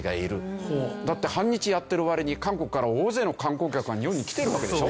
だって反日やってる割に韓国から大勢の観光客が日本に来てるわけでしょ。